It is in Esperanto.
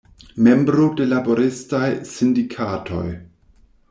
Membro de laboristaj sindikatoj.